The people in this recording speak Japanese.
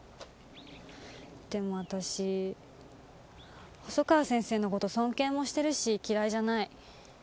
でも私細川先生の事尊敬もしてるし嫌いじゃない。